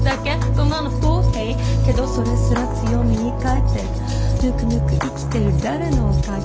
そんなの不公平けどそれすら強みに変えてるぬくぬく生きてる誰のおかげ？